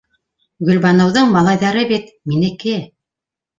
Гөлбаныуҙың малайҙары бит - минеке!